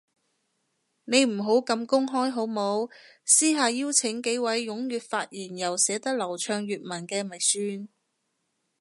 你唔好咁公開好冇，私下邀請幾位踴躍發言又寫到流暢粵文嘅咪算